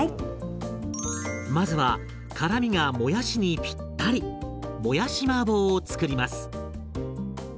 まずは辛みがもやしにぴったりもやしマーボーを作ります。